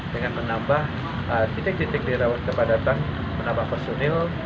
dengan menambah titik titik di rawat kepadatan menambah personil